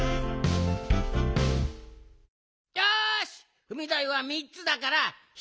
よしふみだいはみっつだからひとりひとつずつだ。